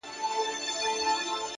پوهه د نسلونو ترمنځ پل جوړوي.